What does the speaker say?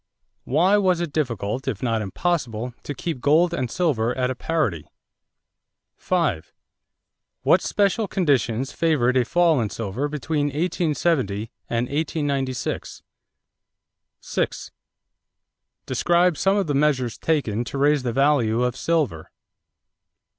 Why was it difficult, if not impossible, to keep gold and silver at a parity? 5. What special conditions favored a fall in silver between 1870 and 1896? 6. Describe some of the measures taken to raise the value of silver.